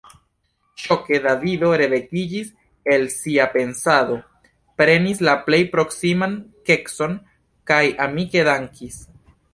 Ŝoke Davido revekiĝis el sia pensado, prenis la plej proksiman kekson kaj amike dankis.